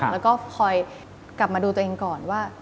แล้วก็คอยกลับมาดูตัวเองก่อนว่า